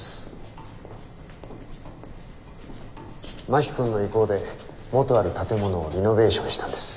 真木君の意向で元ある建物をリノベーションしたんです。